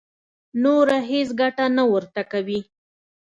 نوره هېڅ ګټه نه ورته کوي.